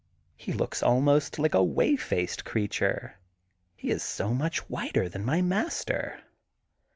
He looks almost like a whey faced creature, he is so much whiter than my master.